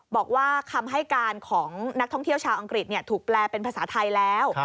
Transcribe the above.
บอกว่าคำให้การของนักท่องเที่ยวชาวอังกฤษถูกแปลเป็นภาษาไทยแล้ว